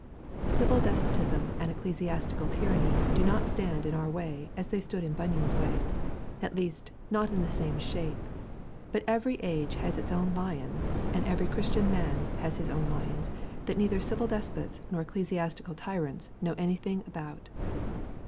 Civil despotism and ecclesiastical tyranny do not stand in our way as they stood in Bunyan's way at least, not in the same shape: but every age has its own lions, and every Christian man has his own lions that neither civil despots nor ecclesiastical tyrants know anything about.